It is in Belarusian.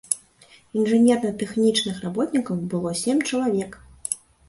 Інжынерна-тэхнічных работнікаў было сем чалавек.